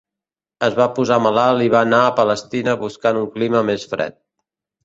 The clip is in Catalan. Es va posar malalt i va anar a Palestina buscant un clima més fred.